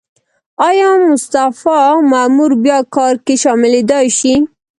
ایا مستعفي مامور بیا کار کې شاملیدای شي؟